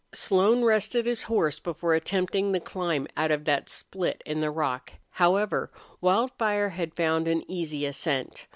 Slone rested his horse before attempting to climb out of that split in the rock. However, Wildfire had found an easy ascent.